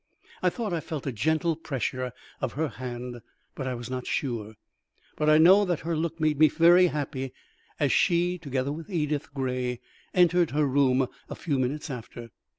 I thought I felt a gentle pressure of her hand, but I was not sure; but I know that her look made me very happy as she, together with Edith Gray, entered her room a few minutes after.